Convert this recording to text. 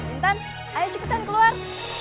intan ayo cepetan keluar